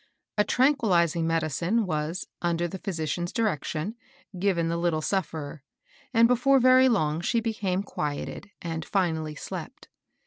A tranquillizing medicine was, under the physi cian's direction, given the little sufferer, and be fore very long she became quieted, and finally slept.